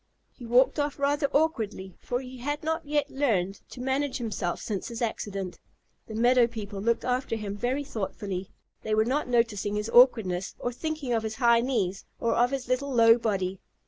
He walked off rather awkwardly, for he had not yet learned to manage himself since his accident. The meadow people looked after him very thoughtfully. They were not noticing his awkwardness, or thinking of his high knees or of his little low body.